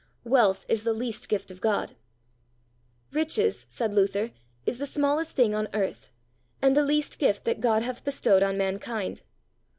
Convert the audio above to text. Wealth is the least Gift of God. Riches, said Luther, is the smallest thing on earth, and the least gift that God hath bestowed on mankind.